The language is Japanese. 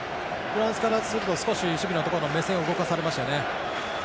フランスからすると守備のところ目線を動かされましたよね。